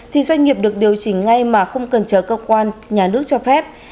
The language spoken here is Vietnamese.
thì doanh nghiệp được điều chỉnh ngay mà không cần chờ cơ quan nhà nước cho phép